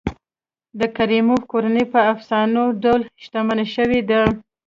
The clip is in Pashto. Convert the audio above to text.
د کریموف کورنۍ په افسانوي ډول شتمن شوي دي.